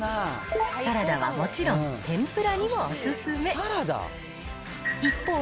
サラダはもちろん、天ぷらにもお勧め。